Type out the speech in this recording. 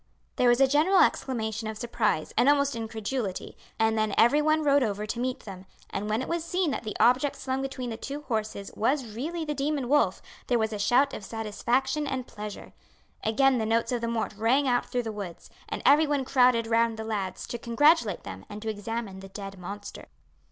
There was a general exclamation of surprise and almost incredulity, and then every one rode over to meet them, and when it was seen that the object slung between the two horses was really the demon wolf there was a shout of satisfaction and pleasure. Again the notes of the mort rang out through the woods, and every one crowded round the lads to congratulate them and to examine the dead monster.